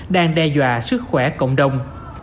đang đe dọa sức khỏe cộng đồng